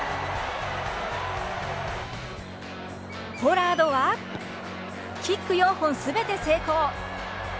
ポラードはキック４本すべて成功。